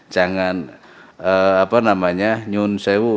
jangan apa namanya nyun sewu